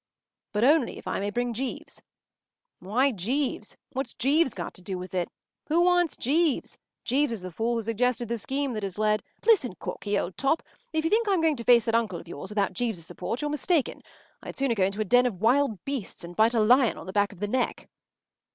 ” “But only if I may bring Jeeves!” “Why Jeeves? What’s Jeeves got to do with it? Who wants Jeeves? Jeeves is the fool who suggested the scheme that has led——” “Listen, Corky, old top! If you think I am going to face that uncle of yours without Jeeves’s support, you’re mistaken. I’d sooner go into a den of wild beasts and bite a lion on the back of the neck.